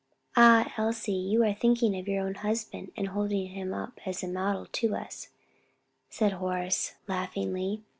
"Ah, Elsie, you are thinking of your own husband, and holding him up as a model to us," said Horace laughingly.